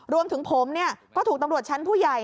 รวมถึงผมก็ถูกตำรวจชั้นผู้ใหญ่